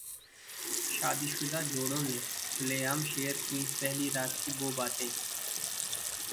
शादीशुदा जोड़ों ने खुलेआम शेयर कीं पहली रात की वो बातें